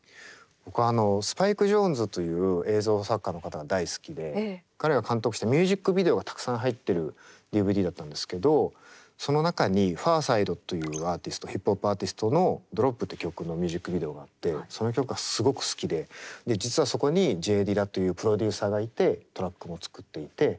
僕はスパイク・ジョーンズという映像作家の方が大好きで彼が監督したミュージックビデオがたくさん入ってるＤＶＤだったんですけどその中にファーサイドというヒップホップアーティストの「Ｄｒｏｐ」って曲のミュージックビデオがあってその曲がすごく好きで実はそこにＪ・ディラというプロデューサーがいてトラックも作っていて。